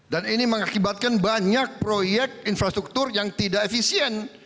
dan ini mengakibatkan banyak proyek infrastruktur yang tidak efisien